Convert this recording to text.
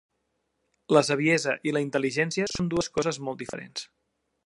La saviesa i la intel·ligència són dues coses molt diferents.